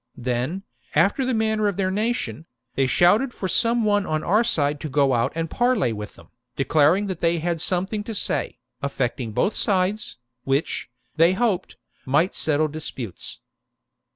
Then, after the manner of their nation, they shouted for some one on our side to go out and parley with them, declaring that they had some thing to say, affecting both sides, which, they hoped, might settle disputes.